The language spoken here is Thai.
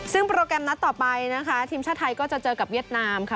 ซึ่งโปรแกรมนัดต่อไปนะคะทีมชาติไทยก็จะเจอกับเวียดนามค่ะ